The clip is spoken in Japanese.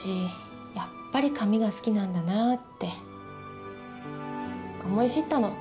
やっぱり紙が好きなんだなって思い知ったの。